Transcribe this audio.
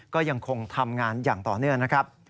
ก็ยังคงทำงานอย่างต่อเนื่องนะครับ